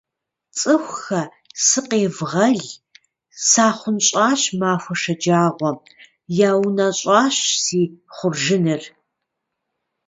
Цӏыхухэ! Сыкъевгъэл! Сахъунщӏащ махуэ шэджагъуэм. Яунэщӏащ си хъуржыныр.